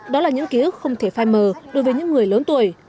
đó là những ký ức không thể phai mờ đối với những người lớn tuổi